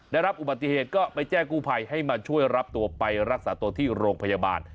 ได้รับอุบัติเหตุก็ไปแจ้งกู้ภัยให้มาช่วยรับตัวไปรักษาตัวที่โรงพยาบาล